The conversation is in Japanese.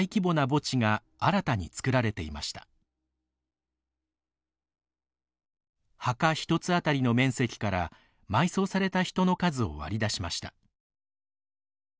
墓一つ当たりの面積から埋葬された人の数を割り出しました。